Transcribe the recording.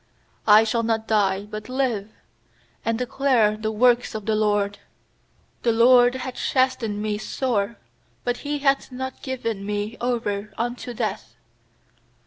17I shall not die, but live, And declare the works of the LORD. 18The LORD hath chastened me sore; But He hath not given me over unto death.